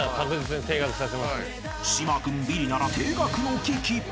［島君ビリなら停学の危機］